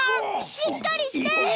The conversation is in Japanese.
しっかりして！